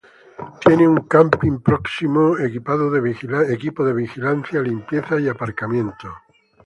Tiene un camping próximo, equipo de vigilancia, limpieza y aparcamiento.